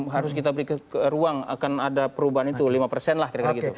harus kita beri ruang akan ada perubahan itu lima persen lah kira kira gitu